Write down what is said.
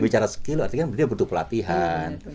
bicara skill artinya kan dia butuh pelatihan